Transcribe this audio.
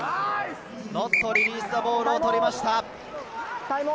ノットリリースザボールを取りました。